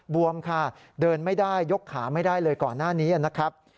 บวมค่ะเดินไม่ได้ยกขาไม่ได้เลยก่อนหน้านี้นะครับ